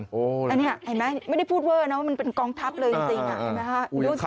อันนี้เห็นไหมไม่ได้พูดเวอร์นะว่ามันเป็นกองทัพเลยจริง